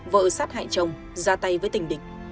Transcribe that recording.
vợ sát hại chồng ra tay với tình địch